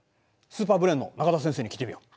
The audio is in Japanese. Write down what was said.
スーパーブレーンの永田先生に聞いてみよう。